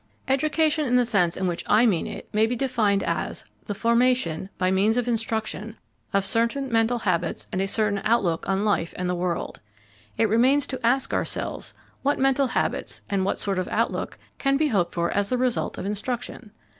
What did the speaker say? Education, in the sense in which I mean it, may be defined as the formation, by means of instruction, of certain mental habits and a certain outlook on life and the world. It remains to ask ourselves, what mental habits, and what sort of outlook, can be hoped for as the result of instruction?